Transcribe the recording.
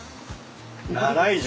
奈良井宿。